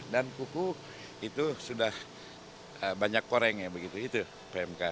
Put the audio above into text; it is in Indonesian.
dan kuku itu sudah banyak koreng ya begitu itu pmk